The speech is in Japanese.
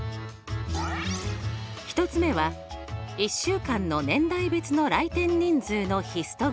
１つ目は１週間の年代別の来店人数のヒストグラム。